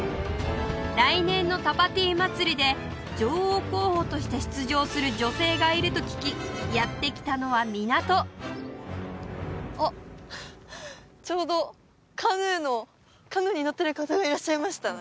来年のタパティ祭りで女王候補として出場する女性がいると聞きやって来たのは港あっちょうどカヌーのカヌーに乗ってる方がいらっしゃいました